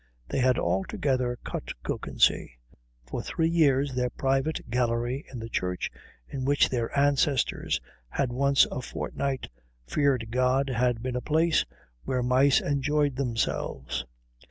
They had altogether cut Kökensee. For three years their private gallery in the church in which their ancestors had once a fortnight feared God had been a place where mice enjoyed themselves.